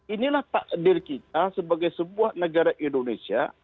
inilah takdir kita sebagai sebuah negara indonesia